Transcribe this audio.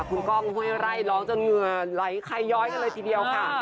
คุณก้องห้วยไร่ร้องจนเหงื่อไหลไขย้อยกันเลยทีเดียวค่ะ